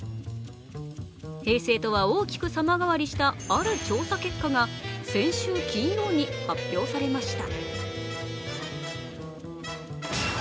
平成とは大きく様変わりした、ある調査結果が先週金曜日に発表されました。